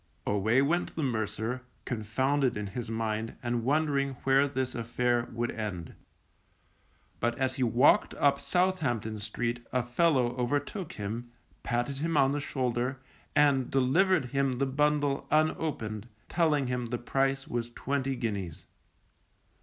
_ Away went the mercer, confounded in his mind, and wondering where this affair would end. But as he walked up Southampton Street a fellow overtook him, patted him on the shoulder, and delivered him the bundle unopened, telling him the price was twenty guineas.